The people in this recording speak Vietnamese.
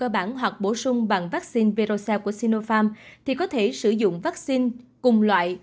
bổ sung bằng vaccine virocell của sinopharm thì có thể sử dụng vaccine cùng loại